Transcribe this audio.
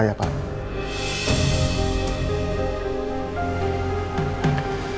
lalu kenapa pak semarno bisa kerja disini